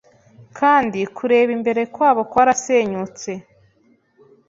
Kandi kureba imbere kwabo kwarasenyutse